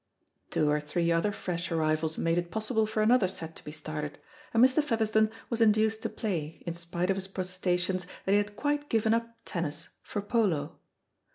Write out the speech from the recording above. Two or three other fresh arrivals made it possible for another set to be started, and Mr. Featherstone was induced to play, in spite of his protestations that he had quite given up tennis for polo.